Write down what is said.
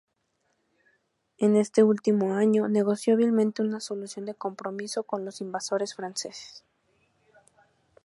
En este último año negoció hábilmente una solución de compromiso con los invasores franceses.